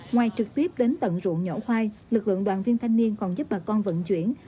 ngoài trực tiếp đến tận ruộng nho hoa lực lượng đoàn viên thanh niên còn giúp bà con vận chuyển